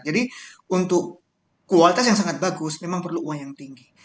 jadi untuk kualitas yang sangat bagus memang perlu uang yang tinggi